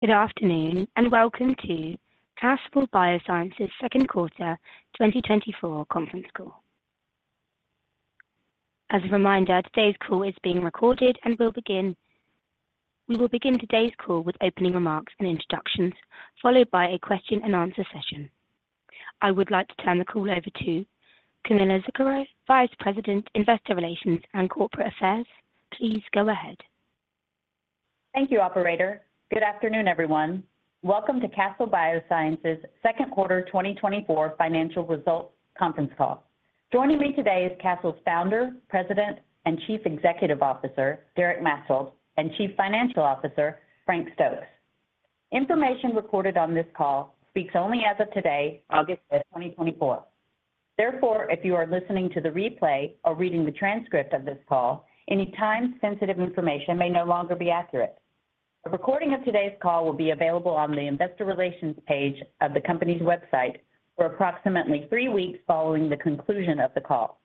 Good afternoon, and welcome to Castle Biosciences' second quarter 2024 conference call. As a reminder, today's call is being recorded. We will begin today's call with opening remarks and introductions, followed by a question-and-answer session. I would like to turn the call over to Camilla Zuckero, Vice President, Investor Relations and Corporate Affairs. Please go ahead. Thank you, operator. Good afternoon, everyone. Welcome to Castle Biosciences' second quarter 2024 financial results conference call. Joining me today is Castle's Founder, President, and Chief Executive Officer, Derek Maetzold, and Chief Financial Officer, Frank Stokes. Information reported on this call speaks only as of today, August 5th, 2024. Therefore, if you are listening to the replay or reading the transcript of this call, any time-sensitive information may no longer be accurate. A recording of today's call will be available on the investor relations page of the company's website for approximately three weeks following the conclusion of the call.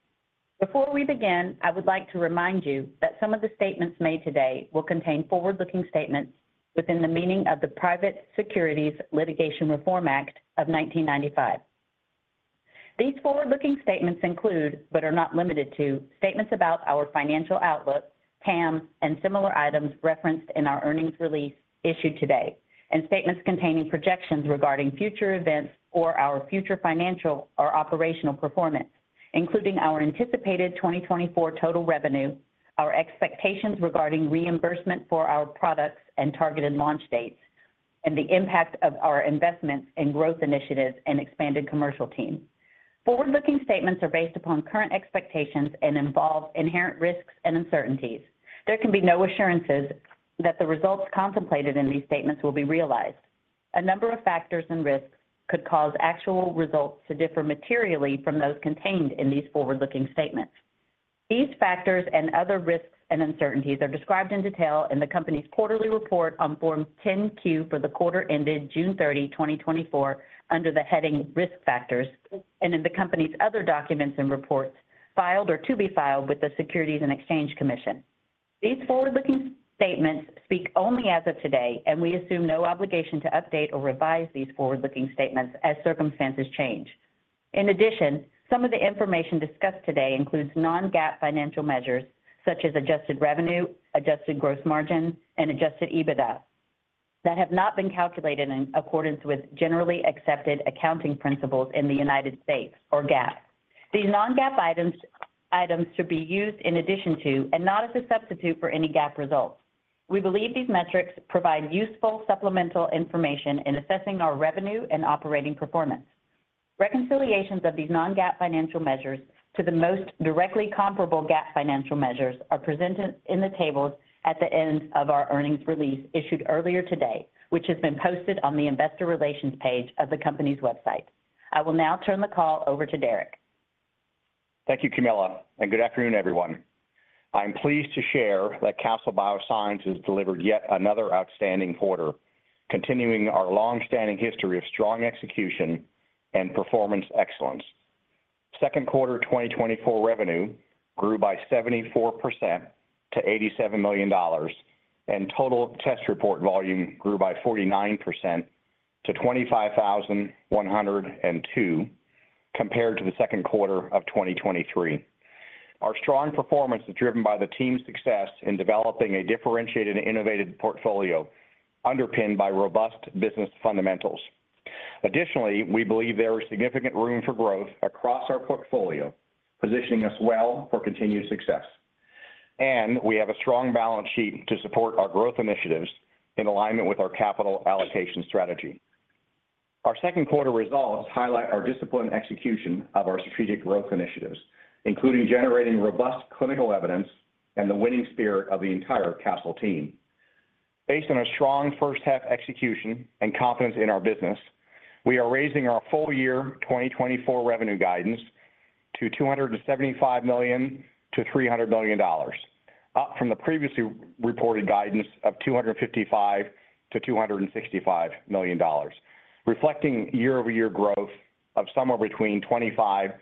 Before we begin, I would like to remind you that some of the statements made today will contain forward-looking statements within the meaning of the Private Securities Litigation Reform Act of 1995. These forward-looking statements include, but are not limited to, statements about our financial outlook, TAM, and similar items referenced in our earnings release issued today, and statements containing projections regarding future events or our future financial or operational performance, including our anticipated 2024 total revenue, our expectations regarding reimbursement for our products and targeted launch dates, and the impact of our investments in growth initiatives and expanded commercial team. Forward-looking statements are based upon current expectations and involve inherent risks and uncertainties. There can be no assurances that the results contemplated in these statements will be realized. A number of factors and risks could cause actual results to differ materially from those contained in these forward-looking statements. These factors and other risks and uncertainties are described in detail in the company's quarterly report on Form 10-Q for the quarter ended June 30, 2024, under the heading Risk Factors, and in the company's other documents and reports filed or to be filed with the Securities and Exchange Commission. These forward-looking statements speak only as of today, and we assume no obligation to update or revise these forward-looking statements as circumstances change. In addition, some of the information discussed today includes non-GAAP financial measures such as adjusted revenue, adjusted gross margin, and adjusted EBITDA, that have not been calculated in accordance with generally accepted accounting principles in the United States or GAAP. These non-GAAP items should be used in addition to, and not as a substitute for any GAAP results. We believe these metrics provide useful supplemental information in assessing our revenue and operating performance. Reconciliations of these non-GAAP financial measures to the most directly comparable GAAP financial measures are presented in the tables at the end of our earnings release issued earlier today, which has been posted on the investor relations page of the company's website. I will now turn the call over to Derek. Thank you, Camilla, and good afternoon, everyone. I'm pleased to share that Castle Biosciences delivered yet another outstanding quarter, continuing our long-standing history of strong execution and performance excellence. Second quarter 2024 revenue grew by 74% to $87 million, and total test report volume grew by 49% to 25,102, compared to the second quarter of 2023. Our strong performance is driven by the team's success in developing a differentiated and innovative portfolio underpinned by robust business fundamentals. Additionally, we believe there is significant room for growth across our portfolio, positioning us well for continued success. We have a strong balance sheet to support our growth initiatives in alignment with our capital allocation strategy. Our second quarter results highlight our disciplined execution of our strategic growth initiatives, including generating robust clinical evidence and the winning spirit of the entire Castle team. Based on a strong first half execution and confidence in our business, we are raising our full year 2024 revenue guidance to $275 million-$300 million, up from the previously reported guidance of $255 million-$265 million, reflecting year-over-year growth of somewhere between 25%-36%.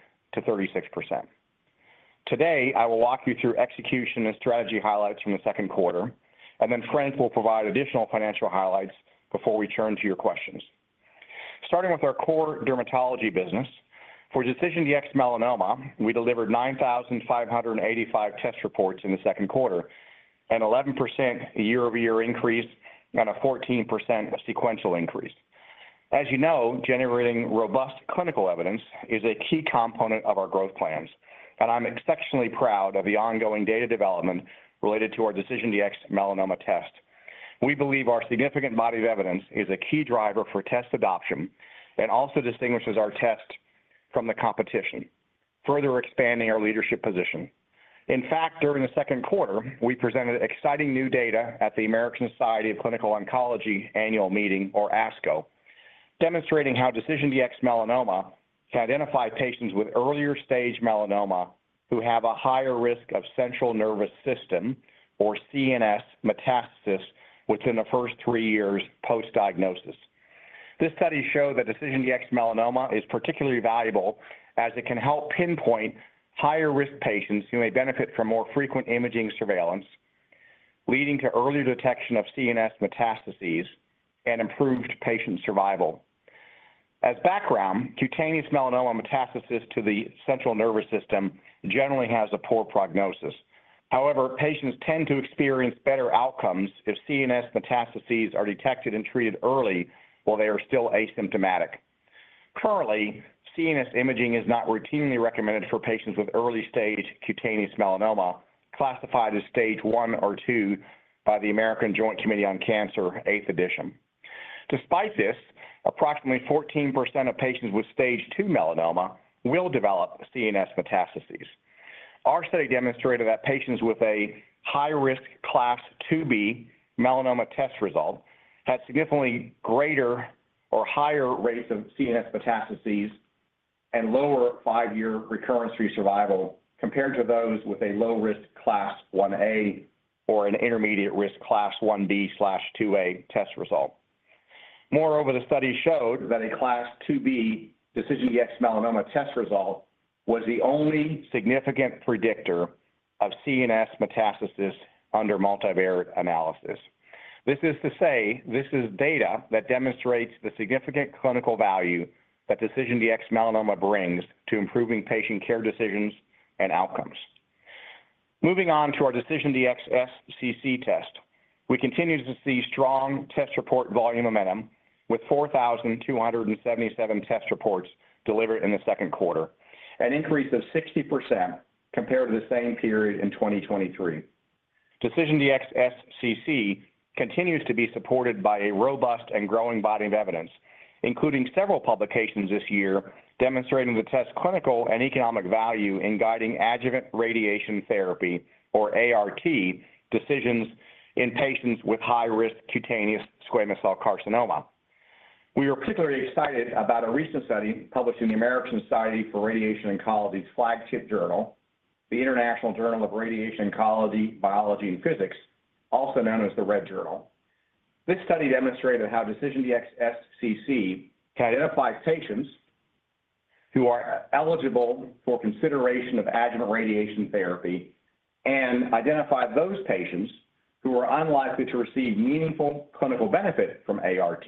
Today, I will walk you through execution and strategy highlights from the second quarter, and then Frank will provide additional financial highlights before we turn to your questions. Starting with our core dermatology business, for DecisionDx-Melanoma, we delivered 9,585 test reports in the second quarter, an 11% year-over-year increase and a 14% sequential increase. As you know, generating robust clinical evidence is a key component of our growth plans, and I'm exceptionally proud of the ongoing data development related to our DecisionDx-Melanoma test. We believe our significant body of evidence is a key driver for test adoption and also distinguishes our test from the competition, further expanding our leadership position. In fact, during the second quarter, we presented exciting new data at the American Society of Clinical Oncology Annual Meeting, or ASCO, demonstrating how DecisionDx-Melanoma can identify patients with earlier stage melanoma who have a higher risk of central nervous system, or CNS, metastasis within the first three years post-diagnosis. This study showed that DecisionDx-Melanoma is particularly valuable, as it can help pinpoint higher-risk patients who may benefit from more frequent imaging surveillance, leading to earlier detection of CNS metastases and improved patient survival. As background, cutaneous melanoma metastasis to the central nervous system generally has a poor prognosis. However, patients tend to experience better outcomes if CNS metastases are detected and treated early while they are still asymptomatic. Currently, CNS imaging is not routinely recommended for patients with early-stage cutaneous melanoma, classified as Stage one or two by the American Joint Committee on Cancer, eighth edition. Despite this, approximately 14% of patients with Stage two melanoma will develop CNS metastases. Our study demonstrated that patients with a high-risk Class 2B melanoma test result had significantly greater or higher rates of CNS metastases and lower five-year recurrence-free survival compared to those with a low-risk Class 1A or an intermediate risk Class 1B/2A test result. Moreover, the study showed that a Class 2B DecisionDx-Melanoma test result was the only significant predictor of CNS metastasis under multivariate analysis. This is to say, this is data that demonstrates the significant clinical value that DecisionDx-Melanoma brings to improving patient care decisions and outcomes. Moving on to our DecisionDx-SCC test, we continue to see strong test report volume momentum, with 4,277 test reports delivered in the second quarter, an increase of 60% compared to the same period in 2023. DecisionDx-SCC continues to be supported by a robust and growing body of evidence, including several publications this year, demonstrating the test's clinical and economic value in guiding adjuvant radiation therapy, or ART, decisions in patients with high-risk cutaneous squamous cell carcinoma. We are particularly excited about a recent study published in the American Society for Radiation Oncology's flagship journal, the International Journal of Radiation Oncology, Biology, and Physics, also known as the Red Journal. This study demonstrated how DecisionDx-SCC can identify patients who are eligible for consideration of adjuvant radiation therapy and identify those patients who are unlikely to receive meaningful clinical benefit from ART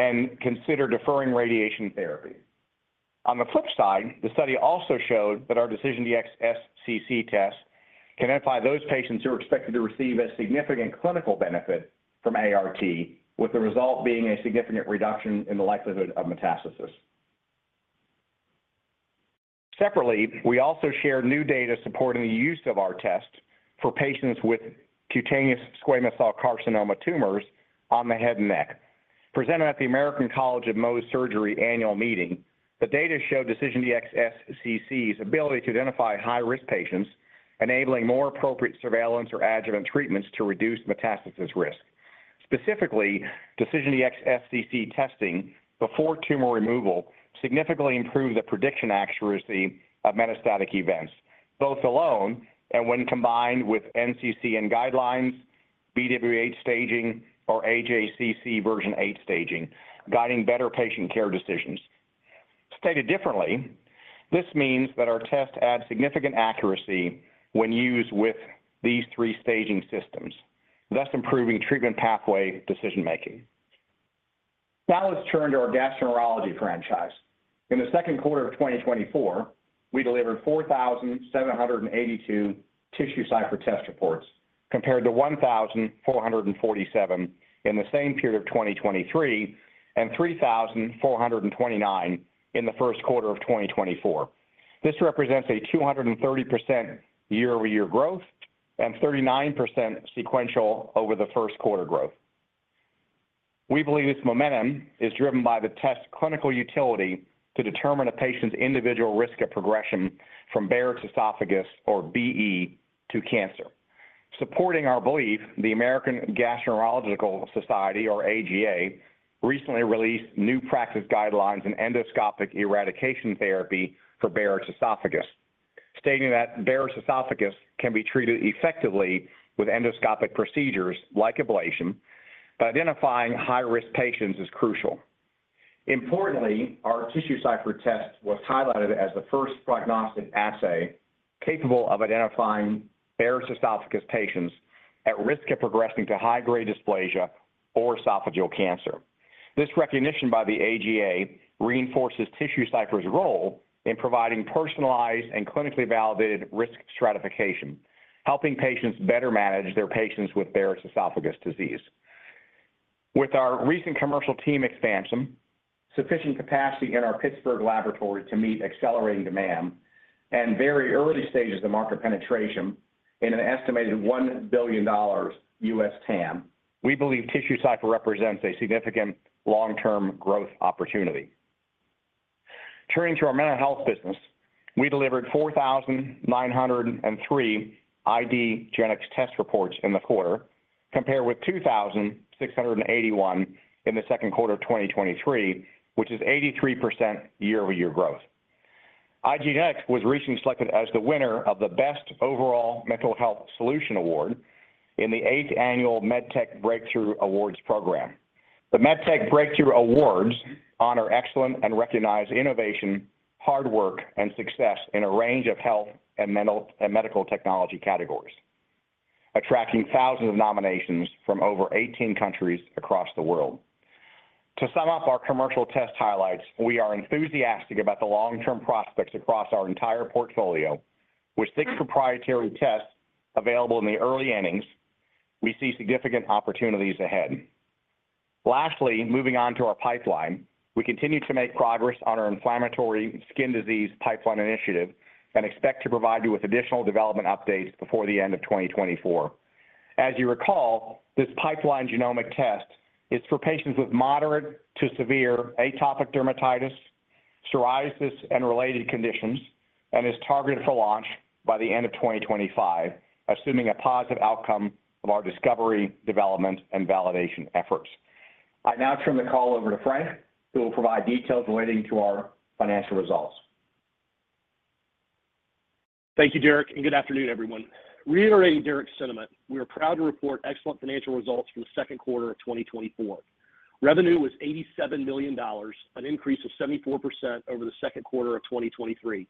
and consider deferring radiation therapy. On the flip side, the study also showed that our DecisionDx-SCC test can identify those patients who are expected to receive a significant clinical benefit from ART, with the result being a significant reduction in the likelihood of metastasis. Separately, we also shared new data supporting the use of our test for patients with cutaneous squamous cell carcinoma tumors on the head and neck. Presented at the American College of Mohs Surgery annual meeting, the data showed DecisionDx-SCC's ability to identify high-risk patients, enabling more appropriate surveillance or adjuvant treatments to reduce metastasis risk. Specifically, DecisionDx-SCC testing before tumor removal significantly improved the prediction accuracy of metastatic events, both alone and when combined with NCCN Guidelines, BWH Staging, or AJCC version eight staging, guiding better patient care decisions. Stated differently, this means that our test adds significant accuracy when used with these three staging systems, thus improving treatment pathway decision-making. Now, let's turn to our gastroenterology franchise. In the second quarter of 2024, we delivered 4,782 TissueCypher test reports, compared to 1,447 in the same period of 2023 and 3,429 in the first quarter of 2024. This represents a 230% year-over-year growth and 39% sequential over the first quarter growth. We believe this momentum is driven by the test's clinical utility to determine a patient's individual risk of progression from Barrett's esophagus, or BE, to cancer. Supporting our belief, the American Gastroenterological Association, or AGA, recently released new practice guidelines on endoscopic eradication therapy for Barrett's esophagus, stating that Barrett's esophagus can be treated effectively with endoscopic procedures like ablation, but identifying high-risk patients is crucial. Importantly, our TissueCypher test was highlighted as the first prognostic assay capable of identifying Barrett's esophagus patients at risk of progressing to high-grade dysplasia or esophageal cancer. This recognition by the AGA reinforces TissueCypher's role in providing personalized and clinically validated risk stratification, helping patients better manage their patients with Barrett's esophagus disease. With our recent commercial team expansion, sufficient capacity in our Pittsburgh laboratory to meet accelerating demand, and very early stages of market penetration in an estimated $1 billion US TAM, we believe TissueCypher represents a significant long-term growth opportunity. Turning to our mental health business, we delivered 4,903 IDgenetix test reports in the quarter, compared with 2,681 in the second quarter of 2023, which is 83% year-over-year growth. IDgenetix was recently selected as the winner of the Best Overall Mental Health Solution Award in the eighth annual MedTech Breakthrough Awards program. The MedTech Breakthrough Awards honor excellence and recognize innovation, hard work, and success in a range of health and mental- and medical technology categories, attracting thousands of nominations from over 18 countries across the world. To sum up our commercial test highlights, we are enthusiastic about the long-term prospects across our entire portfolio. With six proprietary tests available in the early innings, we see significant opportunities ahead. Lastly, moving on to our pipeline, we continue to make progress on our inflammatory skin disease pipeline initiative and expect to provide you with additional development updates before the end of 2024. As you recall, this pipeline genomic test is for patients with moderate to severe atopic dermatitis, psoriasis, and related conditions, and is targeted for launch by the end of 2025, assuming a positive outcome of our discovery, development, and validation efforts. I now turn the call over to Frank, who will provide details relating to our financial results. Thank you, Derek, and good afternoon, everyone. Reiterating Derek's sentiment, we are proud to report excellent financial results for the second quarter of 2024. Revenue was $87 million, an increase of 74% over the second quarter of 2023.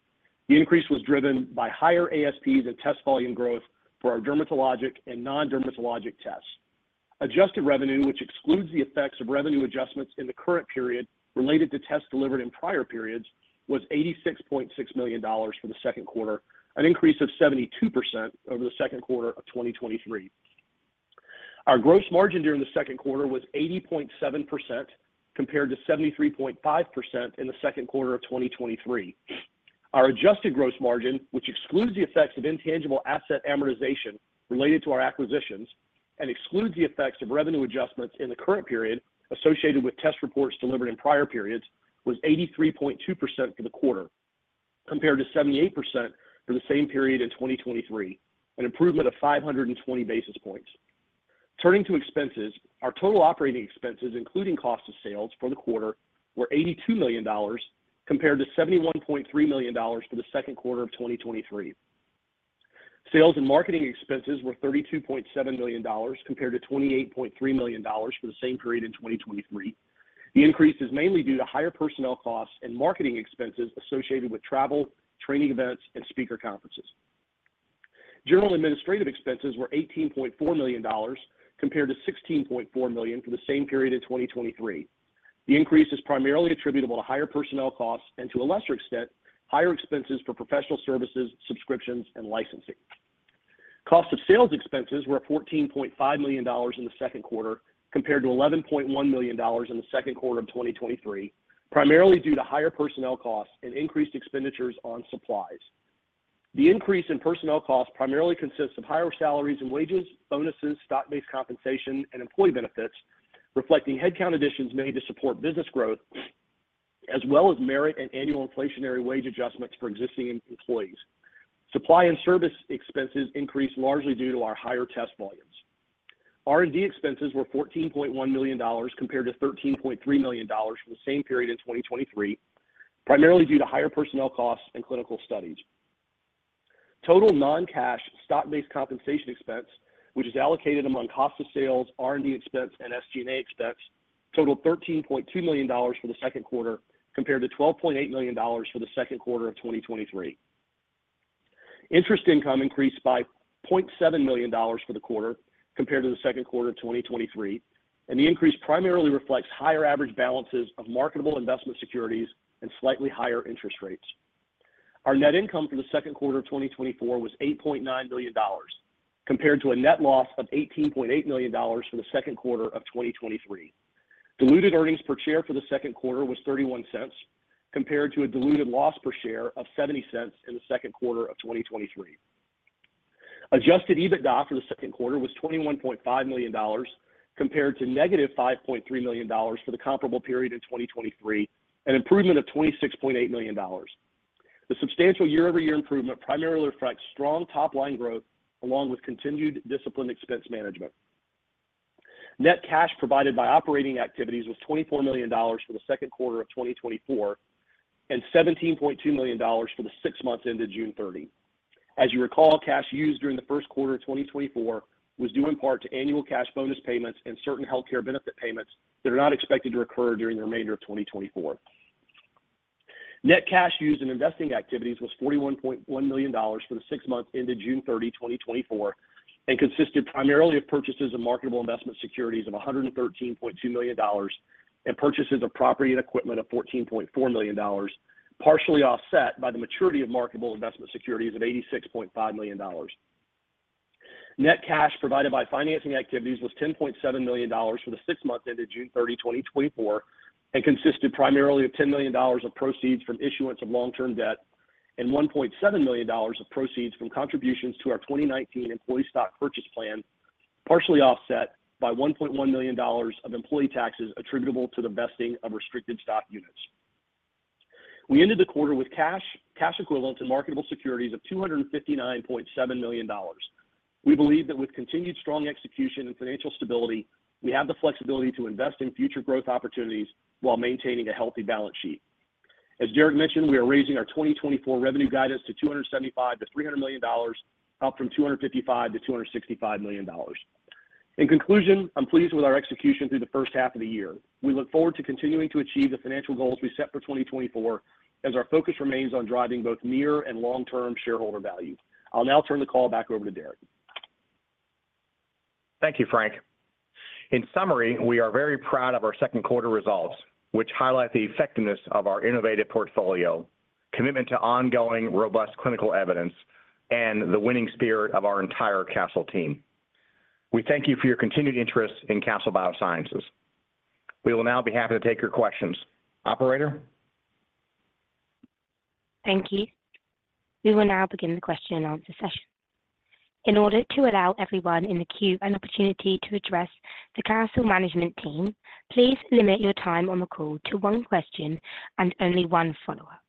The increase was driven by higher ASPs and test volume growth for our dermatologic and non-dermatologic tests. Adjusted revenue, which excludes the effects of revenue adjustments in the current period related to tests delivered in prior periods, was $86.6 million for the second quarter, an increase of 72% over the second quarter of 2023. Our gross margin during the second quarter was 80.7%, compared to 73.5% in the second quarter of 2023. Our adjusted gross margin, which excludes the effects of intangible asset amortization related to our acquisitions and excludes the effects of revenue adjustments in the current period associated with test reports delivered in prior periods, was 83.2% for the quarter, compared to 78% for the same period in 2023, an improvement of 520 basis points. Turning to expenses, our total operating expenses, including cost of sales for the quarter, were $82 million, compared to $71.3 million for the second quarter of 2023. Sales and marketing expenses were $32.7 million, compared to $28.3 million for the same period in 2023. The increase is mainly due to higher personnel costs and marketing expenses associated with travel, training events, and speaker conferences. General and administrative expenses were $18.4 million, compared to $16.4 million for the same period in 2023. The increase is primarily attributable to higher personnel costs and, to a lesser extent, higher expenses for professional services, subscriptions, and licensing. Cost of sales expenses were $14.5 million in the second quarter, compared to $11.1 million in the second quarter of 2023, primarily due to higher personnel costs and increased expenditures on supplies. The increase in personnel costs primarily consists of higher salaries and wages, bonuses, stock-based compensation, and employee benefits, reflecting headcount additions made to support business growth, as well as merit and annual inflationary wage adjustments for existing employees. Supply and service expenses increased largely due to our higher test volumes. R&D expenses were $14.1 million, compared to $13.3 million for the same period in 2023, primarily due to higher personnel costs and clinical studies. Total non-cash stock-based compensation expense, which is allocated among cost of sales, R&D expense, and SG&A expense, totaled $13.2 million for the second quarter, compared to $12.8 million for the second quarter of 2023. Interest income increased by $0.7 million for the quarter compared to the second quarter of 2023, and the increase primarily reflects higher average balances of marketable investment securities and slightly higher interest rates. Our net income for the second quarter of 2024 was $8.9 million, compared to a net loss of $18.8 million for the second quarter of 2023. Diluted earnings per share for the second quarter was $0.31, compared to a diluted loss per share of $0.70 in the second quarter of 2023. Adjusted EBITDA for the second quarter was $21.5 million, compared to -$5.3 million for the comparable period in 2023, an improvement of $26.8 million. The substantial year-over-year improvement primarily reflects strong top-line growth along with continued disciplined expense management. Net cash provided by operating activities was $24 million for the second quarter of 2024, and $17.2 million for the six months ended June 30. As you recall, cash used during the first quarter of 2024 was due in part to annual cash bonus payments and certain healthcare benefit payments that are not expected to recur during the remainder of 2024. Net cash used in investing activities was $41.1 million for the six months ended June 30, 2024, and consisted primarily of purchases of marketable investment securities of $113.2 million and purchases of property and equipment of $14.4 million, partially offset by the maturity of marketable investment securities of $86.5 million. Net cash provided by financing activities was $10.7 million for the six months ended June 30, 2024, and consisted primarily of $10 million of proceeds from issuance of long-term debt and $1.7 million of proceeds from contributions to our 2019 Employee Stock Purchase Plan, partially offset by $1.1 million of employee taxes attributable to the vesting of restricted stock units. We ended the quarter with cash, cash equivalents, and marketable securities of $259.7 million. We believe that with continued strong execution and financial stability, we have the flexibility to invest in future growth opportunities while maintaining a healthy balance sheet. As Derek mentioned, we are raising our 2024 revenue guidance to $275 million-$300 million, up from $255 million-$265 million. In conclusion, I'm pleased with our execution through the first half of the year. We look forward to continuing to achieve the financial goals we set for 2024, as our focus remains on driving both near and long-term shareholder value. I'll now turn the call back over to Derek. Thank you, Frank. In summary, we are very proud of our second quarter results, which highlight the effectiveness of our innovative portfolio, commitment to ongoing robust clinical evidence, and the winning spirit of our entire Castle team. We thank you for your continued interest in Castle Biosciences. We will now be happy to take your questions. Operator? Thank you. We will now begin the question-and-answer session. In order to allow everyone in the queue an opportunity to address the Castle management team, please limit your time on the call to one question and only one follow-up.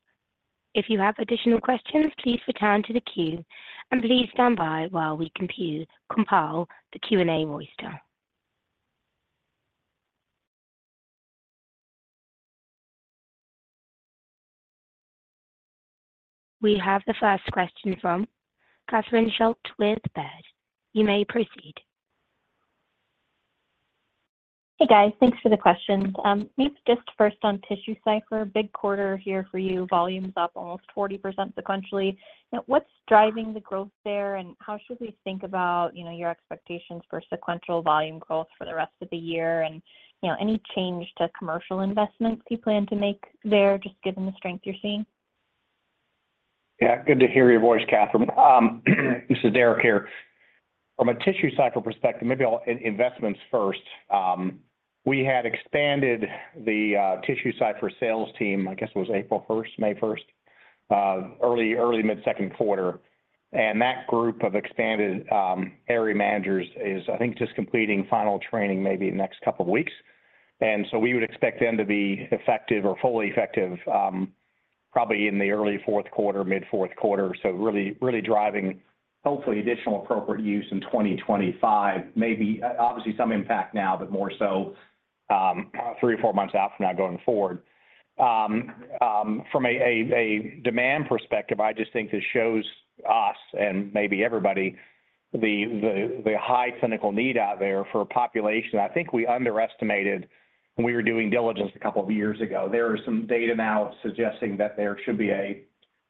If you have additional questions, please return to the queue, and please stand by while we compile the Q&A roster. We have the first question from Catherine Schulte with Baird. You may proceed. Hey, guys. Thanks for the questions. Maybe just first on TissueCypher, big quarter here for you, volumes up almost 40% sequentially. Now, what's driving the growth there, and how should we think about, you know, your expectations for sequential volume growth for the rest of the year? And, you know, any change to commercial investments you plan to make there, just given the strength you're seeing? Yeah, good to hear your voice, Catherine. This is Derek here. From a TissueCypher perspective, maybe I'll in investments first. We had expanded the TissueCypher sales team, I guess it was April first, May first, early mid-second quarter. And that group of expanded area managers is, I think, just completing final training maybe in the next couple of weeks. And so we would expect them to be effective or fully effective, probably in the early fourth quarter, mid fourth quarter. So really driving, hopefully additional appropriate use in 2025. Maybe, obviously some impact now, but more so, three or four months out from now going forward. From a demand perspective, I just think this shows us, and maybe everybody, the high clinical need out there for a population. I think we underestimated when we were doing diligence a couple of years ago. There are some data now suggesting that there should be a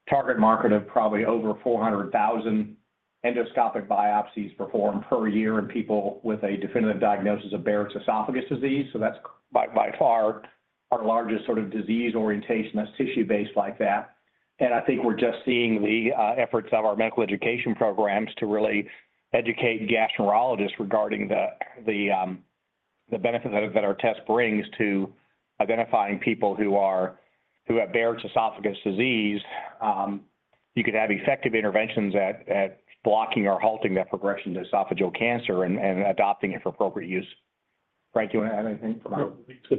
target market of probably over 400,000 endoscopic biopsies performed per year in people with a definitive diagnosis of Barrett's esophagus disease. So that's by far our largest sort of disease orientation, that's tissue-based like that. And I think we're just seeing the efforts of our medical education programs to really educate gastroenterologists regarding the benefit that our test brings to identifying people who have Barrett's esophagus disease. You could have effective interventions at blocking or halting that progression to esophageal cancer and adopting it for appropriate use. Frank, do you want to add anything to that? No.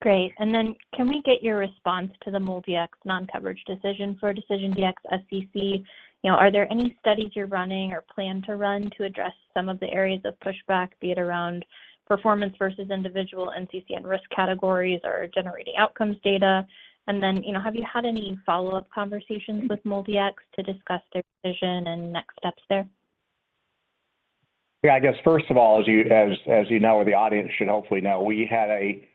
Great. And then can we get your response to the MolDX non-coverage decision for DecisionDx-SCC? You know, are there any studies you're running or plan to run to address some of the areas of pushback, be it around performance versus individual NCCN risk categories or generating outcomes data? And then, you know, have you had any follow-up conversations with MolDX to discuss their decision and next steps there? Yeah, I guess first of all, as you know, or the audience should hopefully know, we had a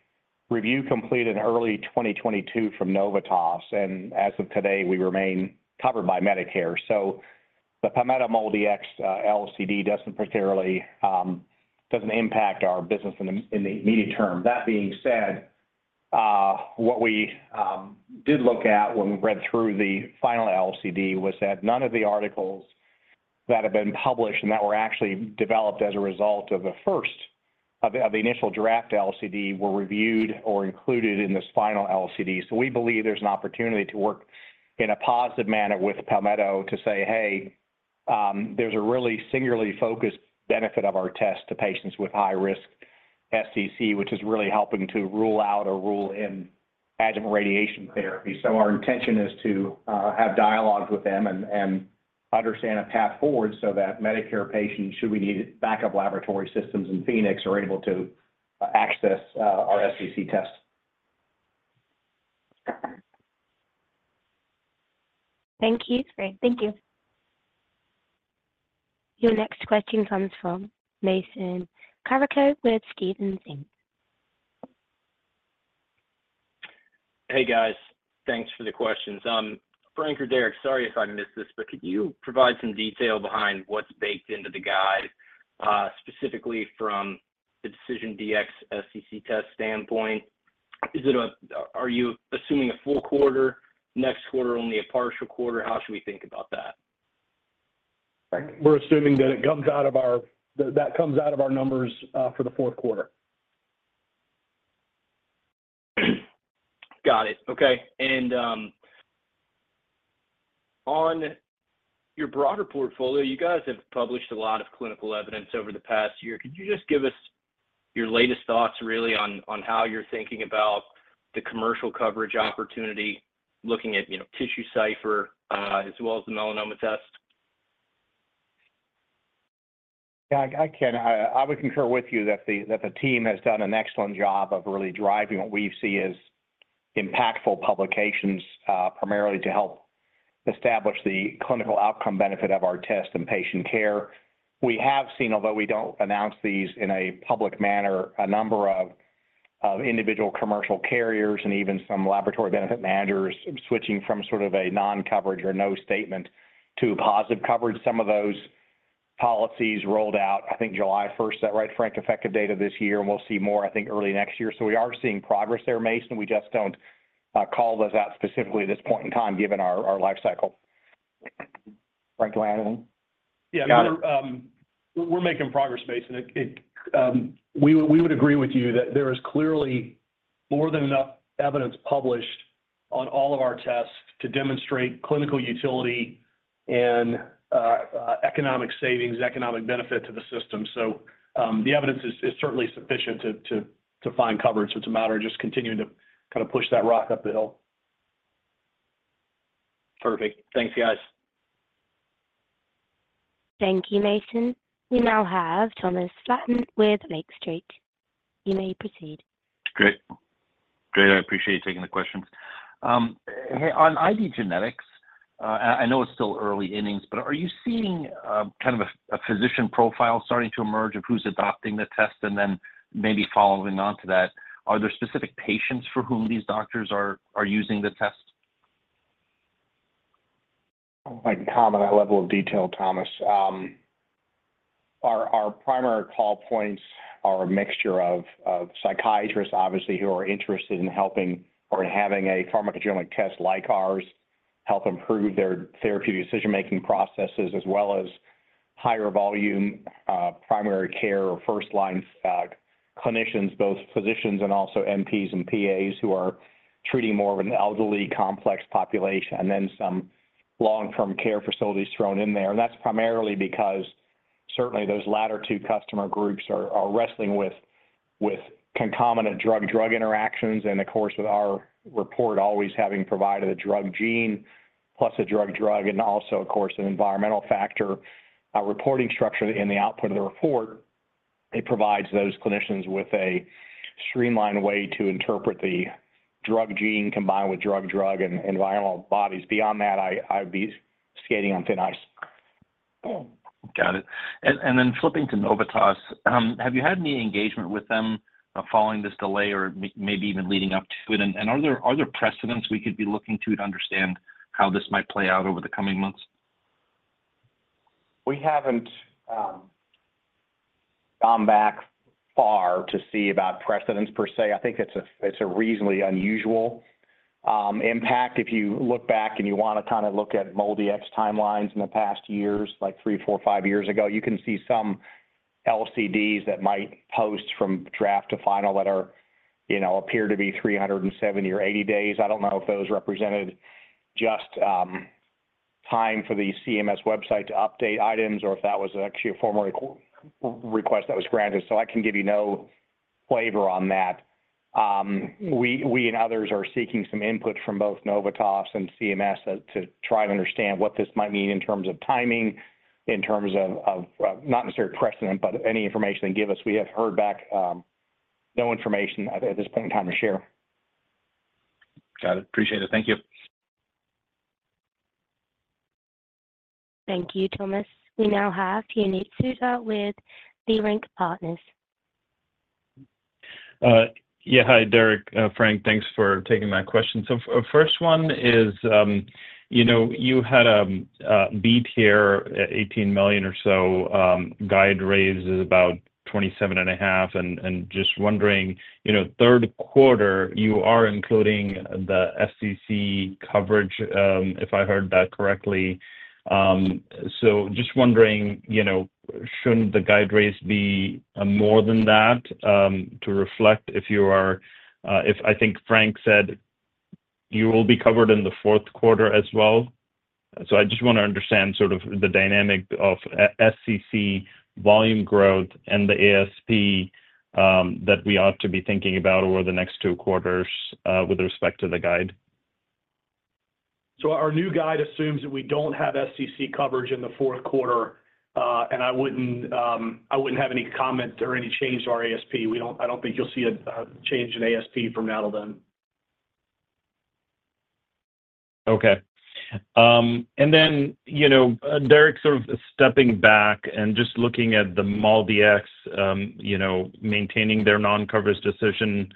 review completed in early 2022 from Novitas, and as of today, we remain covered by Medicare. So the Palmetto MolDX LCD doesn't particularly doesn't impact our business in the immediate term. That being said, what we did look at when we read through the final LCD was that none of the articles that have been published and that were actually developed as a result of the first of the initial draft LCD were reviewed or included in this final LCD. So we believe there's an opportunity to work in a positive manner with Palmetto to say, "Hey, there's a really singularly focused benefit of our test to patients with high-risk SCC, which is really helping to rule out or rule in adjuvant radiation therapy." Our intention is to have dialogue with them and understand a path forward so that Medicare patients, should we need it, backup laboratory systems in Phoenix, are able to access our SCC test. Thank you, Frank. Thank you. Your next question comes from Mason Carrico with Stephens Inc. Hey, guys. Thanks for the questions. Frank or Derek, sorry if I missed this, but could you provide some detail behind what's baked into the guide, specifically from the DecisionDx-SCC test standpoint? Is it a-- Are you assuming a full quarter, next quarter, only a partial quarter? How should we think about that? We're assuming that it comes out of our numbers for the fourth quarter. Got it. Okay. And on your broader portfolio, you guys have published a lot of clinical evidence over the past year. Could you just give us your latest thoughts really on, on how you're thinking about the commercial coverage opportunity, looking at, you know, TissueCypher, as well as the melanoma test? Yeah, I, I can, I would concur with you that the, that the team has done an excellent job of really driving what we see as impactful publications, primarily to help establish the clinical outcome benefit of our test and patient care. We have seen, although we don't announce these in a public manner, a number of, of individual commercial carriers and even some laboratory benefit managers switching from sort of a non-coverage or no statement to positive coverage. Some of those policies rolled out, I think, July 1st, is that right, Frank? Effective date of this year, and we'll see more, I think, early next year. So we are seeing progress there, Mason. We just don't, call those out specifically at this point in time, given our, our life cycle. Frank Stokes? Yeah. Got it. We're making progress, Mason. We would agree with you that there is clearly more than enough evidence published on all of our tests to demonstrate clinical utility and economic savings, economic benefit to the system. So, the evidence is certainly sufficient to find coverage. It's a matter of just continuing to kind of push that rock up the hill. Perfect. Thanks, guys. Thank you, Mason. We now have Thomas Flaten with Lake Street. You may proceed. Great. Great, I appreciate you taking the questions. Hey, on IDgenetix, I know it's still early innings, but are you seeing kind of a physician profile starting to emerge of who's adopting the test? And then maybe following on to that, are there specific patients for whom these doctors are using the test? I can comment on that level of detail, Thomas. Our primary call points are a mixture of psychiatrists, obviously, who are interested in helping or having a pharmacogenetic test like ours help improve their therapeutic decision-making processes, as well as higher volume primary care or first-line clinicians, both physicians and also NPs and PAs who are treating more of an elderly, complex population, and then some long-term care facilities thrown in there. That's primarily because certainly those latter two customer groups are wrestling with concomitant drug-drug interactions, and of course, with our report always having provided a drug gene, plus a drug-drug and also, of course, an environmental factor reporting structure in the output of the report, it provides those clinicians with a streamlined way to interpret the drug gene combined with drug-drug and environmental bodies. Beyond that, I'd be skating on thin ice. Got it. And then flipping to Novitas, have you had any engagement with them, following this delay or maybe even leading up to it? And are there precedents we could be looking to to understand how this might play out over the coming months? We haven't gone back far to see about precedents per se. I think it's a reasonably unusual impact. If you look back and you want to kind of look at MolDX timelines in the past years, like three, four, five years ago, you can see some LCDs that might post from draft to final that are, you know, appear to be 370 or 380 days. I don't know if those represented just time for the CMS website to update items or if that was actually a formal request that was granted, so I can give you no flavor on that. We and others are seeking some input from both Novitas and CMS to try to understand what this might mean in terms of timing, in terms of not necessarily precedent, but any information they give us. We have heard back, no information at this point in time to share. Got it. Appreciate it. Thank you. Thank you, Thomas. We now have Puneet Souda with Leerink Partners. Yeah. Hi, Derek, Frank, thanks for taking my question. So first one is, you know, you had beat here at $18 million or so, guide raise is about $27.5 million, and just wondering, you know, third quarter, you are including the SCC coverage, if I heard that correctly. So just wondering, you know, shouldn't the guide raise be more than that, to reflect if you are. If I think Frank said you will be covered in the fourth quarter as well. So I just want to understand sort of the dynamic of SCC volume growth and the ASP, that we ought to be thinking about over the next two quarters, with respect to the guide. So our new guide assumes that we don't have CMS coverage in the fourth quarter, and I wouldn't have any comment or any change to our ASP. I don't think you'll see a change in ASP from now till then. Okay. And then, you know, Derek, sort of stepping back and just looking at the MolDX, you know, maintaining their non-coverage decision,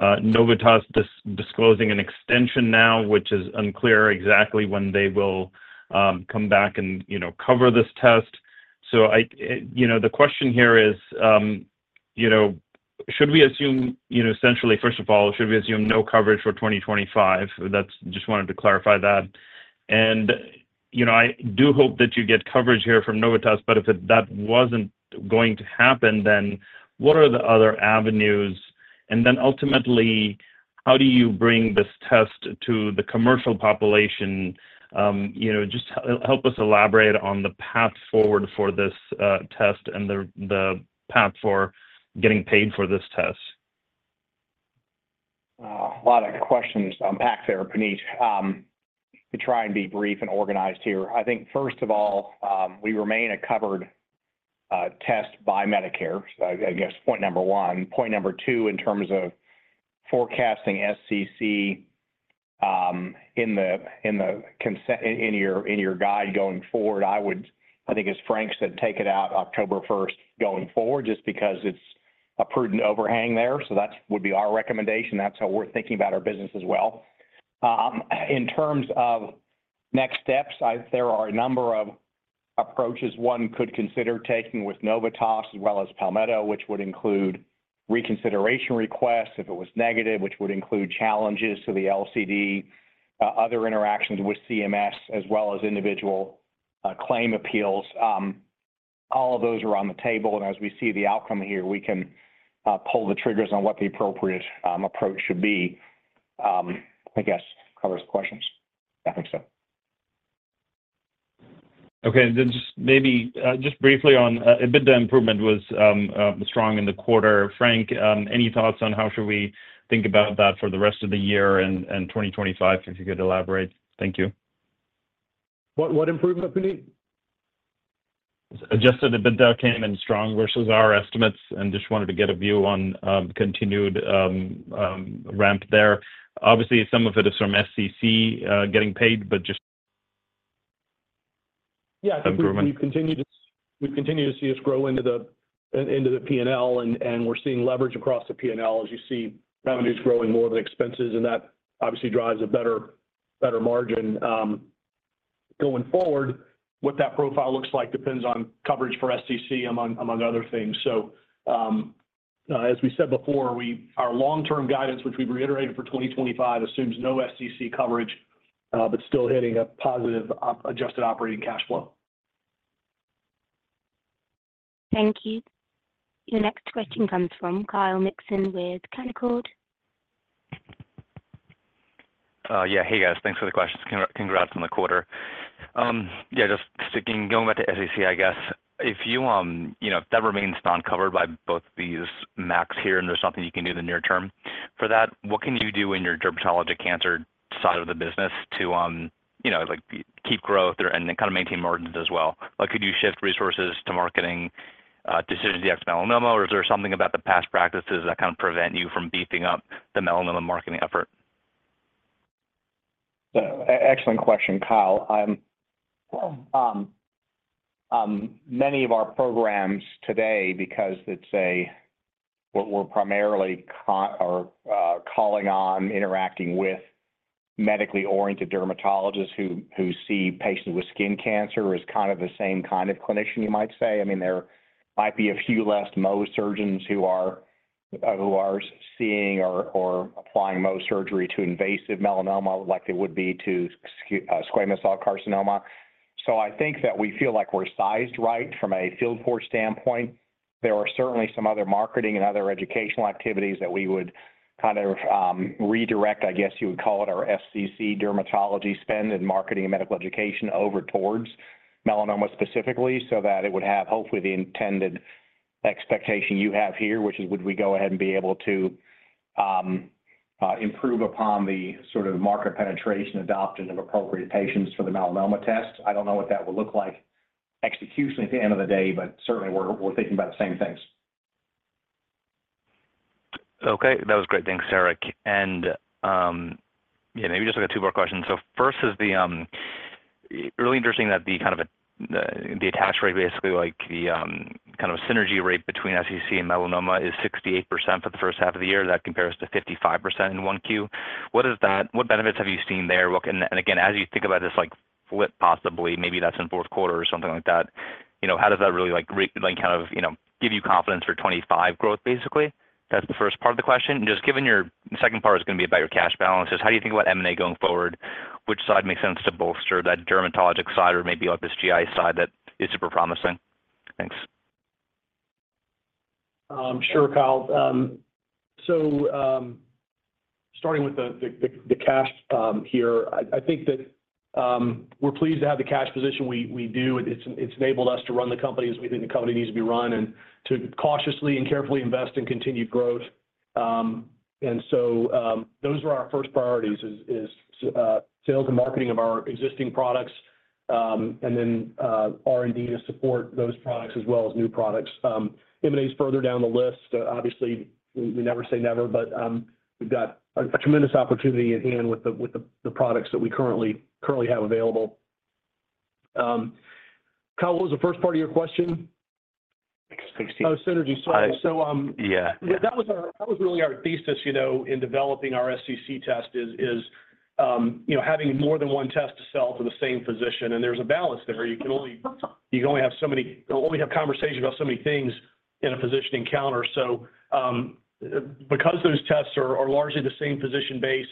Novitas disclosing an extension now, which is unclear exactly when they will, come back and, you know, cover this test. So I, you know, the question here is, you know, should we assume, you know, essentially, first of all, should we assume no coverage for 2025? That's-- Just wanted to clarify that. And, you know, I do hope that you get coverage here from Novitas, but if that wasn't going to happen, then what are the other avenues? Then ultimately, how do you bring this test to the commercial population? You know, just help us elaborate on the path forward for this test and the path for getting paid for this test. A lot of questions packed there, Puneet. To try and be brief and organized here, I think first of all, we remain a covered test by Medicare. So I guess, point number one. Point number two, in terms of forecasting SCC, in your guide going forward, I think as Frank said, take it out October first going forward, just because it's a prudent overhang there. So that would be our recommendation. That's how we're thinking about our business as well. In terms of next steps, there are a number of approaches one could consider taking with Novitas as well as Palmetto, which would include reconsideration requests, if it was negative, which would include challenges to the LCD, other interactions with CMS, as well as individual claim appeals. All of those are on the table, and as we see the outcome here, we can pull the triggers on what the appropriate approach should be. I guess covers the questions. I think so. Okay. Then just maybe, just briefly on, EBITDA improvement was strong in the quarter. Frank, any thoughts on how should we think about that for the rest of the year and 2025, if you could elaborate? Thank you. What, what improvement, Puneet? Just that the EBITDA came in strong versus our estimates, and just wanted to get a view on continued ramp there. Obviously, some of it is from SCC getting paid, but just- Yeah Improvement. We continue to see us grow into the P&L, and we're seeing leverage across the P&L. As you see, revenue is growing more than expenses, and that obviously drives a better margin. Going forward, what that profile looks like depends on coverage for SCC, among other things. So, as we said before, our long-term guidance, which we've reiterated for 2025, assumes no SCC coverage, but still hitting a positive adjusted operating cash flow. Thank you. Your next question comes from Kyle Mikson with Canaccord. Yeah. Hey, guys. Thanks for the questions. Congrats on the quarter. Yeah, just sticking. Going back to SCC, I guess. If you, you know, if that remains non-covered by both these MACs here, and there's nothing you can do in the near term for that, what can you do in your dermatologic cancer side of the business to, you know, like, keep growth or, and then kind of maintain margins as well? Like, could you shift resources to marketing DecisionDx-Melanoma, or is there something about the past practices that kind of prevent you from beefing up the melanoma marketing effort? Excellent question, Kyle. Many of our programs today, because it's what we're primarily calling on or interacting with medically oriented dermatologists who see patients with skin cancer, is kind of the same kind of clinician, you might say. I mean, there might be a few less Mohs surgeons who are seeing or applying Mohs surgery to invasive melanoma like they would be to squamous cell carcinoma. So I think that we feel like we're sized right from a field force standpoint. There are certainly some other marketing and other educational activities that we would kind of, redirect, I guess you would call it, our FCC dermatology spend in marketing and medical education over towards melanoma specifically, so that it would have, hopefully, the intended expectation you have here, which is, would we go ahead and be able to, improve upon the sort of market penetration adoption of appropriate patients for the melanoma test? I don't know what that would look like executionally at the end of the day, but certainly we're, we're thinking about the same things. Okay. That was great. Thanks, Eric. And, yeah, maybe just like two more questions. So first is the, really interesting that the kind of, the attach rate, basically like the, kind of synergy rate between SCC and melanoma is 68% for the first half of the year. That compares to 55% in 1Q. What is that? What benefits have you seen there? Look, and, and again, as you think about this, like, flip, possibly, maybe that's in fourth quarter or something like that, you know, how does that really, like, like, kind of, you know, give you confidence for 25 growth, basically? That's the first part of the question. Just given your. Second part is gonna be about your cash balances. How do you think about M&A going forward? Which side makes sense to bolster, that dermatologic side or maybe like this GI side that is super promising? Thanks. Sure, Kyle. So, starting with the cash here, I think that we're pleased to have the cash position we do. It's enabled us to run the company as we think the company needs to be run and to cautiously and carefully invest in continued growth. And so, those are our first priorities, sales and marketing of our existing products, and then R&D to support those products as well as new products. M&A is further down the list. Obviously, we never say never, but we've got a tremendous opportunity at hand with the products that we currently have available. Kyle, what was the first part of your question? I think. Oh, synergy. Sorry. I So, um Yeah. That was really our thesis, you know, in developing our SCC test is, you know, having more than one test to sell to the same physician, and there's a balance there. You can only have conversation about so many things in a physician encounter. So, because those tests are largely the same physician base,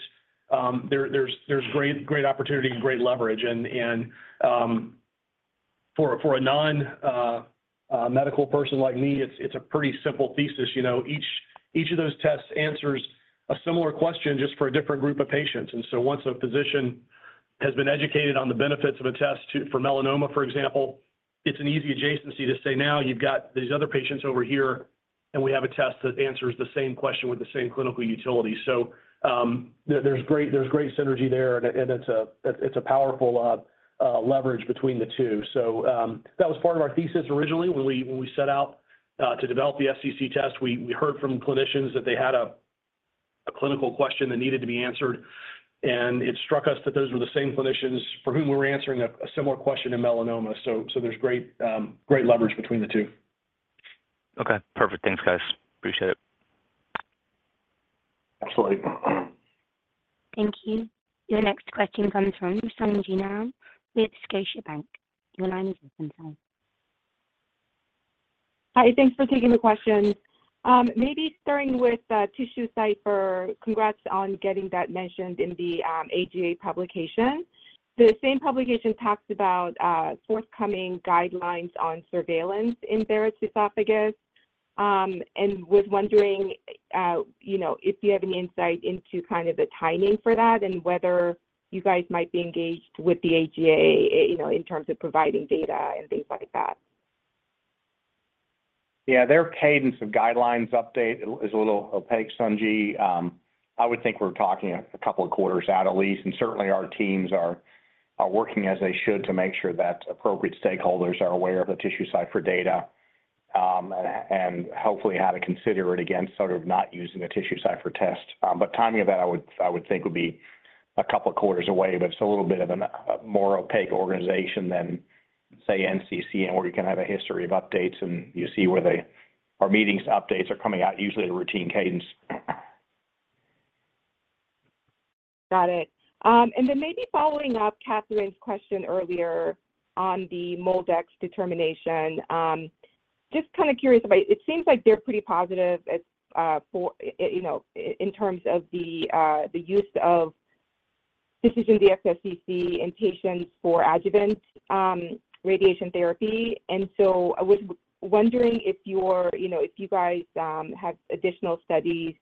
there's great opportunity and great leverage and For a non-medical person like me, it's a pretty simple thesis. You know, each of those tests answers a similar question just for a different group of patients. And so once a physician has been educated on the benefits of a test for melanoma, for example, it's an easy adjacency to say, "Now you've got these other patients over here, and we have a test that answers the same question with the same clinical utility." So, there, there's great synergy there, and it's a powerful leverage between the two. So, that was part of our thesis originally when we set out to develop the SCC test. We heard from clinicians that they had a clinical question that needed to be answered, and it struck us that those were the same clinicians for whom we were answering a similar question in melanoma. So there's great, great leverage between the two. Okay, perfect. Thanks, guys. Appreciate it. Absolutely. Thank you. Your next question comes from Sung Ji Nam with Scotiabank. Your line is open, Sung Ji Nam. Hi, thanks for taking the question. Maybe starting with TissueCypher, congrats on getting that mentioned in the AGA publication. The same publication talks about forthcoming guidelines on surveillance in Barrett's esophagus, and was wondering, you know, if you have any insight into kind of the timing for that and whether you guys might be engaged with the AGA, you know, in terms of providing data and things like that? Yeah, their cadence of guidelines update is a little opaque, Sunji. I would think we're talking a couple of quarters out at least, and certainly our teams are working as they should to make sure that appropriate stakeholders are aware of the TissueCypher data, and hopefully how to consider it against sort of not using a TissueCypher test. But timing of that, I would think would be a couple of quarters away, but it's a little bit of a more opaque organization than, say, NCCN, and where you can have a history of updates, and you see where they. Our meetings updates are coming out usually in a routine cadence. Got it. And then maybe following up Catherine's question earlier on the MolDX determination, just kinda curious about it. It seems like they're pretty positive as, for, you know, in terms of the use of DecisionDx-SCC in patients for adjuvant radiation therapy. And so I was wondering if you're, you know, if you guys have additional studies,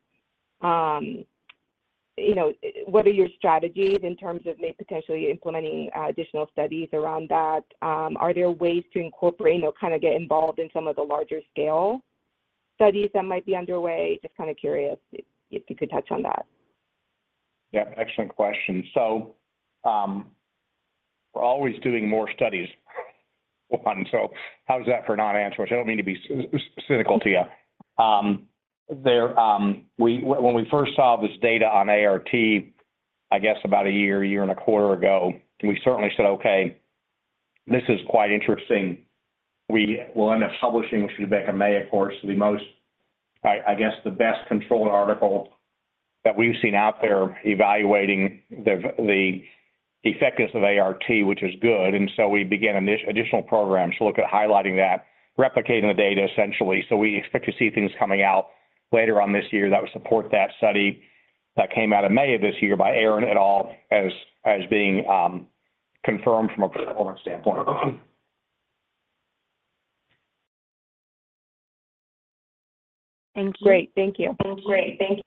you know, what are your strategies in terms of may potentially implementing additional studies around that? Are there ways to incorporate or kinda get involved in some of the larger scale studies that might be underway? Just kinda curious if you could touch on that. Yeah, excellent question. So, we're always doing more studies, so how is that for a non-answer? I don't mean to be cynical to you. When we first saw this data on ART, I guess about a year, a year and a quarter ago, we certainly said, "Okay, this is quite interesting." We will end up publishing with Rebecca Maya, of course, the most, I guess, the best-controlled article that we've seen out there evaluating the effectiveness of ART, which is good. And so we began additional programs to look at highlighting that, replicating the data essentially. So we expect to see things coming out later on this year that would support that study that came out in May of this year by Arron et al., as being confirmed from a performance standpoint. Thank you. Great. Thank you. Great. Thank you.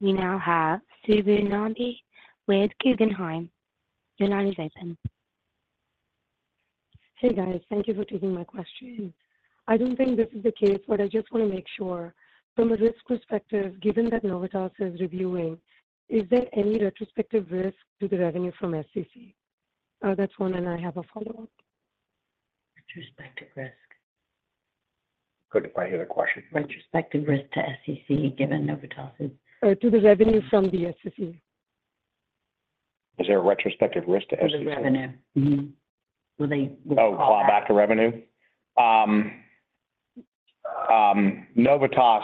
We now have Subbu Nambi with Guggenheim. Your line is open. Hey, guys. Thank you for taking my question. I don't think this is the case, but I just wanna make sure. From a risk perspective, given that Novitas is reviewing, is there any retrospective risk to the revenue from SCC? That's one, and I have a follow-up. Retrospective risk? Good. I hear the question. Retrospective risk to SCC, given Novitas is To the revenue from the SCC. Is there a retrospective risk to SCC? To the revenue. Mm-hmm. Will they Oh, clawback the revenue? Novitas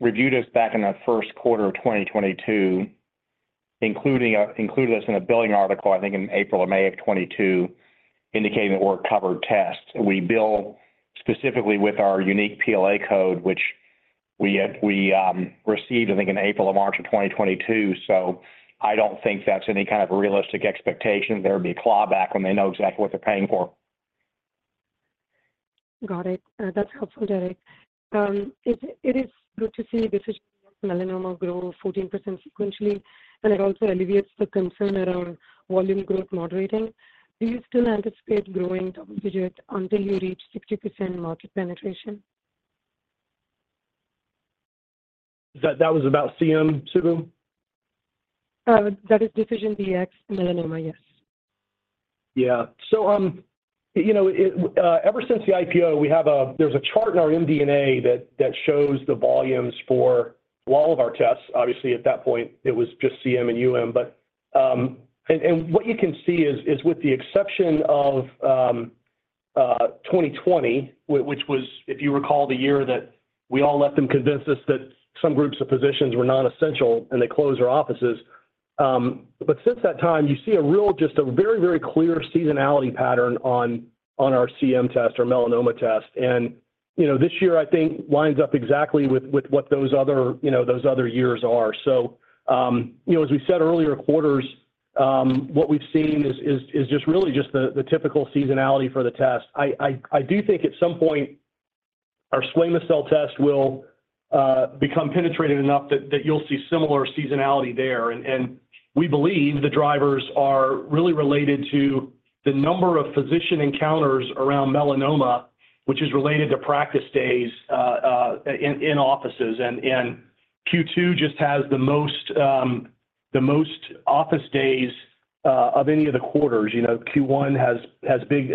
reviewed us back in the first quarter of 2022, included us in a billing article, I think in April or May of 2022, indicating that we're a covered test. We bill specifically with our unique PLA code, which we have received, I think, in April or March of 2022, so I don't think that's any kind of realistic expectation there'd be a clawback when they know exactly what they're paying for. Got it. That's helpful, Derek. It is good to see DecisionDx-Melanoma grow 14% sequentially, and it also alleviates the concern around volume growth moderating. Do you still anticipate growing double digits until you reach 60% market penetration? That was about CM, Subbu? That is DecisionDx-Melanoma, yes. Yeah. So, you know, ever since the IPO, we have a-- there's a chart in our MD&A that shows the volumes for all of our tests. Obviously, at that point, it was just CM and UM, but. And what you can see is with the exception of 2020, which was, if you recall, the year that we all let them convince us that some groups of physicians were non-essential, and they closed their offices. But since that time, you see a real, just a very, very clear seasonality pattern on our CM test or melanoma test, and. You know, this year, I think, lines up exactly with what those other, you know, those other years are. So, you know, as we said in earlier quarters, what we've seen is just really the typical seasonality for the test. I do think at some point our squamous cell test will become penetrated enough that you'll see similar seasonality there. And we believe the drivers are really related to the number of physician encounters around melanoma, which is related to practice days in offices. And Q2 just has the most office days of any of the quarters. You know, Q1 has big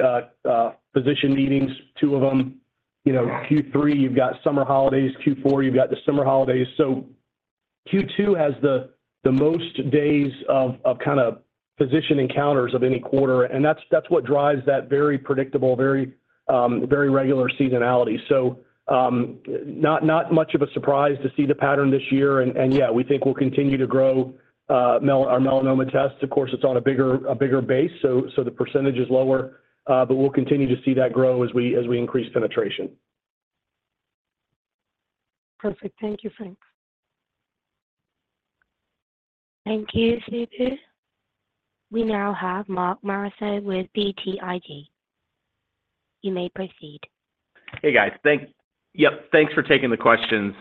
physician meetings, two of them. You know, Q3, you've got summer holidays. Q4, you've got the summer holidays. So Q2 has the most days of kinda physician encounters of any quarter, and that's what drives that very predictable, very, very regular seasonality. So, not much of a surprise to see the pattern this year. And yeah, we think we'll continue to grow our melanoma tests. Of course, it's on a bigger base, so the percentage is lower, but we'll continue to see that grow as we increase penetration. Perfect. Thank you, Frank. Thank you, Subbu. We now have Mark Massaro with BTIG. You may proceed. Hey, guys. Yep, thanks for taking the questions.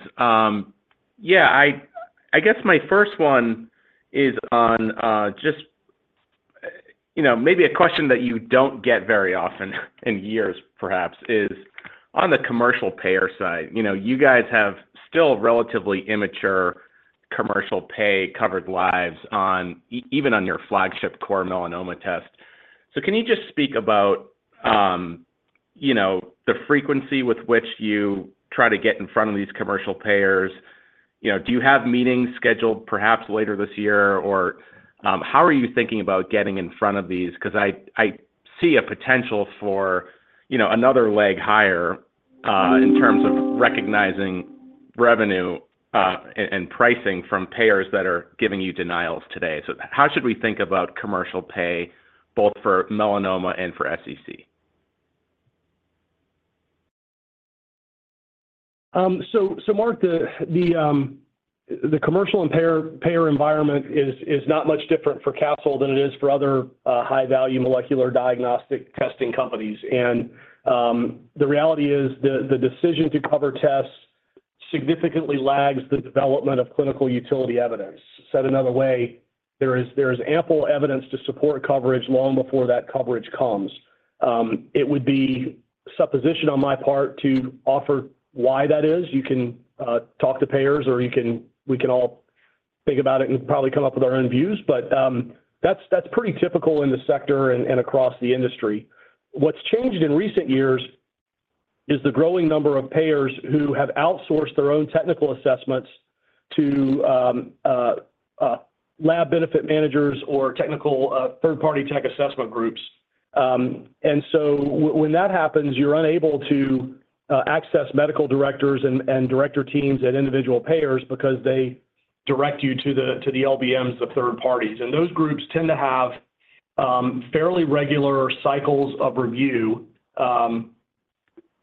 Yeah, I guess my first one is on just, you know, maybe a question that you don't get very often in years, perhaps, is on the commercial payer side. You know, you guys have still relatively immature commercial pay covered lives on even on your flagship core melanoma test. So can you just speak about, you know, the frequency with which you try to get in front of these commercial payers? You know, do you have meetings scheduled perhaps later this year, or, how are you thinking about getting in front of these? 'Cause I see a potential for, you know, another leg higher, in terms of recognizing revenue, and pricing from payers that are giving you denials today. How should we think about commercial pay, both for melanoma and for SCC? So, Mark, the commercial and payer environment is not much different for Castle than it is for other high-value molecular diagnostic testing companies. The reality is the decision to cover tests significantly lags the development of clinical utility evidence. Said another way, there is ample evidence to support coverage long before that coverage comes. It would be supposition on my part to offer why that is. You can talk to payers or you can, we can all think about it and probably come up with our own views, but that's pretty typical in the sector and across the industry. What's changed in recent years is the growing number of payers who have outsourced their own technical assessments to lab benefit managers or technical third-party tech assessment groups. And so when that happens, you're unable to access medical directors and director teams at individual payers because they direct you to the LBMs of third parties. And those groups tend to have fairly regular cycles of review,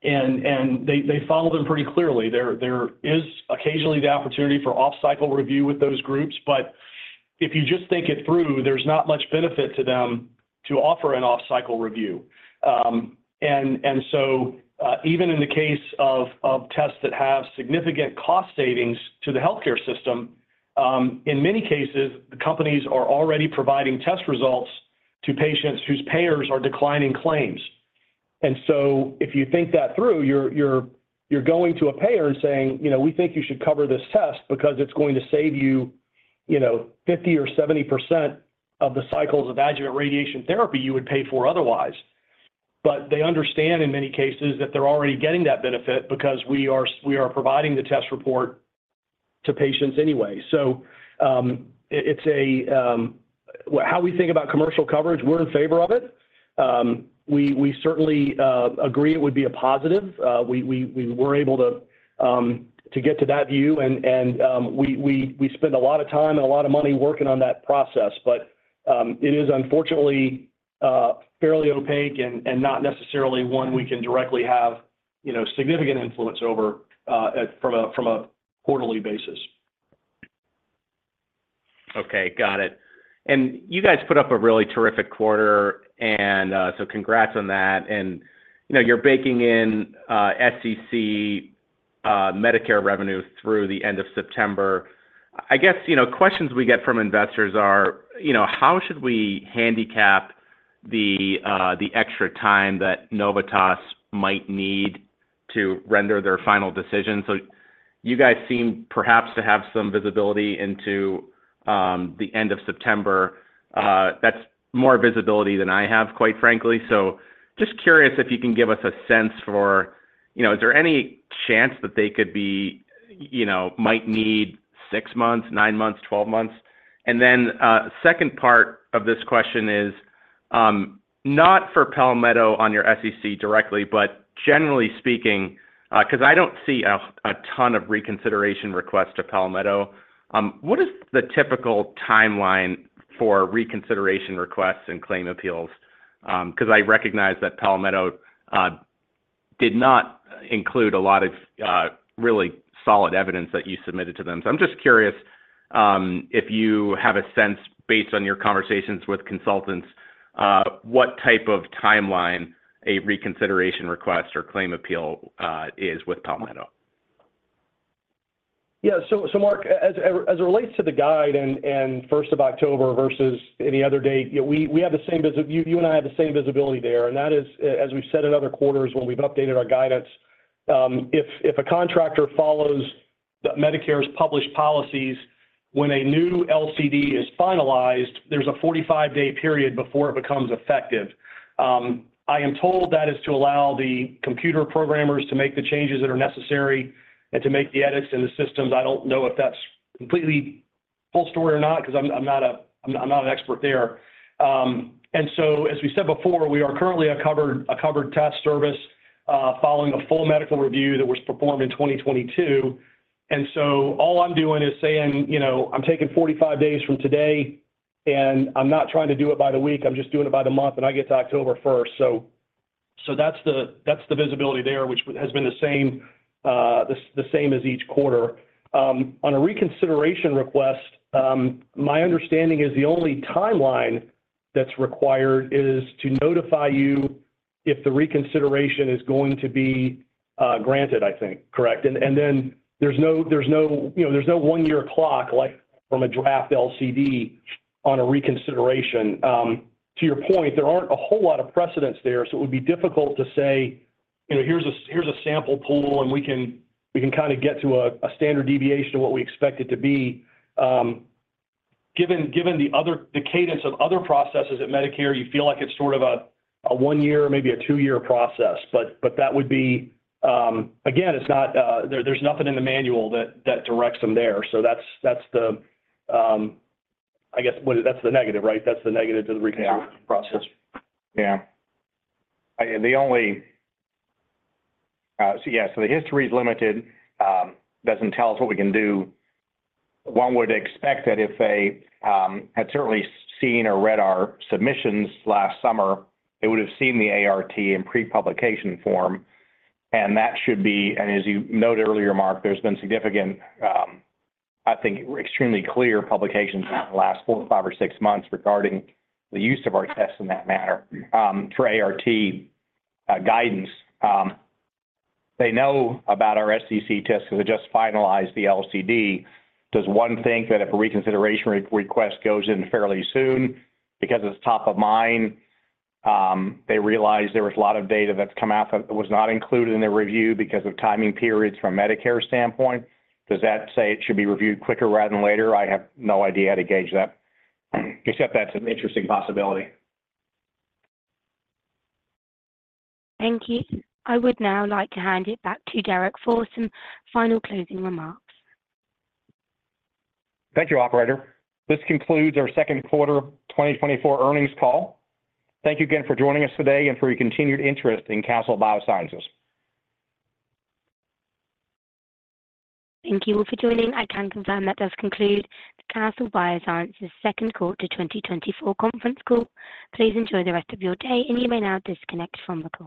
and they follow them pretty clearly. There is occasionally the opportunity for off-cycle review with those groups, but if you just think it through, there's not much benefit to them to offer an off-cycle review. And so even in the case of tests that have significant cost savings to the healthcare system, in many cases, the companies are already providing test results to patients whose payers are declining claims. And so if you think that through, you're going to a payer and saying, "You know, we think you should cover this test because it's going to save you, you know, 50% or 70% of the cycles of adjuvant radiation therapy you would pay for otherwise." But they understand in many cases that they're already getting that benefit because we are providing the test report to patients anyway. So, how we think about commercial coverage, we're in favor of it. We certainly agree it would be a positive. We were able to get to that view, and we spent a lot of time and a lot of money working on that process, but it is unfortunately fairly opaque and not necessarily one we can directly have, you know, significant influence over, from a quarterly basis. Okay, got it. And you guys put up a really terrific quarter, and so congrats on that. And, you know, you're baking in SCC Medicare revenues through the end of September. I guess, you know, questions we get from investors are, you know, how should we handicap the extra time that Novitas might need to render their final decision? So you guys seem perhaps to have some visibility into the end of September. That's more visibility than I have, quite frankly. So just curious if you can give us a sense for, you know, is there any chance that they could be, you know, might need six months, nine months, 12 months? Second part of this question is, not for Palmetto on your SCC directly, but generally speaking, 'cause I don't see a ton of reconsideration request to Palmetto. What is the typical timeline? For reconsideration requests and claim appeals, because I recognize that Palmetto did not include a lot of really solid evidence that you submitted to them. So I'm just curious if you have a sense, based on your conversations with consultants, what type of timeline a reconsideration request or claim appeal is with Palmetto? Yeah. So, Mark, as it relates to the guide and first of October versus any other date, you know, we have the same visibility there, and that is, as we've said in other quarters when we've updated our guidance, if a contractor follows Medicare's published policies, when a new LCD is finalized, there's a 45-day period before it becomes effective. I am told that is to allow the computer programmers to make the changes that are necessary and to make the edits in the systems. I don't know if that's the complete story or not, because I'm not an expert there. And so, as we said before, we are currently a covered test service, following a full medical review that was performed in 2022. So all I'm doing is saying, you know, I'm taking 45 days from today, and I'm not trying to do it by the week, I'm just doing it by the month, and I get to October 1. So that's the visibility there, which has been the same, the same as each quarter. On a reconsideration request, my understanding is the only timeline that's required is to notify you if the reconsideration is going to be granted, I think, correct? And then there's no, you know, there's no 1-year clock, like from a draft LCD on a reconsideration. To your point, there aren't a whole lot of precedents there, so it would be difficult to say, you know, here's a sample pool, and we can kinda get to a standard deviation of what we expect it to be. Given the other, the cadence of other processes at Medicare, you feel like it's sort of a one-year, maybe a two-year process, but that would be, again, it's not, there's nothing in the manual that directs them there. So that's the, I guess, what is - that's the negative, right? That's the negative to the reconsideration process. Yeah. The only, so yeah, so the history is limited, doesn't tell us what we can do. One would expect that if they had certainly seen or read our submissions last summer, they would have seen the ART in pre-publication form, and that should be, and as you noted earlier, Mark, there's been significant, I think, extremely clear publications in the last four, five, or six months regarding the use of our tests in that manner, for ART, guidance. They know about our SCC tests because they just finalized the LCD. Does one think that if a reconsideration re-request goes in fairly soon because it's top of mind, they realize there was a lot of data that's come out that was not included in the review because of timing periods from a Medicare standpoint? Does that say it should be reviewed quicker rather than later? I have no idea how to gauge that, except that's an interesting possibility. Thank you. I would now like to hand it back to Derek for some final closing remarks. Thank you, operator. This concludes our second quarter 2024 earnings call. Thank you again for joining us today and for your continued interest in Castle Biosciences. Thank you all for joining. I can confirm that does conclude the Castle Biosciences second quarter 2024 conference call. Please enjoy the rest of your day, and you may now disconnect from the call.